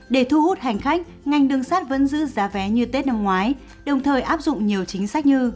để thu hút hành khách ngành đường sắt vẫn giữ giá vé như tết năm ngoái đồng thời áp dụng nhiều chính sách như